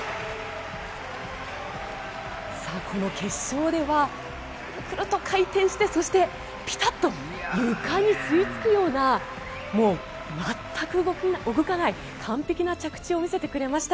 この決勝ではクルッと回転してそしてピタッと床に吸いつくような全く動かない完璧な着地を見せてくれました。